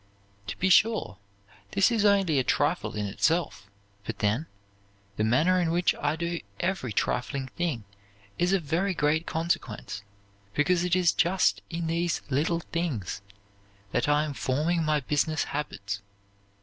"To be sure, this is only a trifle in itself; but, then, the manner in which I do every trifling thing is of very great consequence, because it is just in these little things that I am forming my business habits.